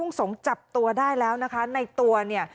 สงศ์จับตัวได้แล้วนะคะในตัวเนี่ย